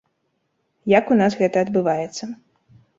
Як у нас гэта адбываецца.